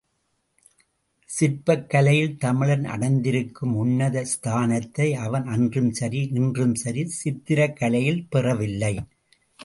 சிற்பக் கலையில் தமிழன் அடைந்திருக்கும் உன்னத ஸ்தானத்தை அவன் அன்றும் சரி, இன்றும் சரி, சித்திரக் கலையில் பெறவில்லை.